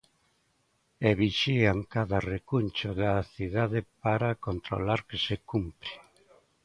E vixían cada recuncho da cidade para controlar que se cumpre.